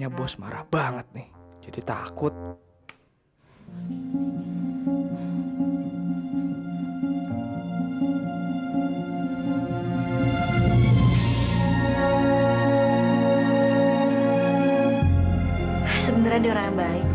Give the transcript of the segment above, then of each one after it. halo siapa nih pagi sakti aku punya informasi penting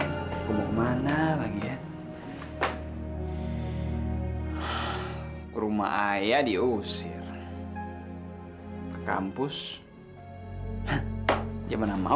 banget buat kamu pokoknya kamu bakal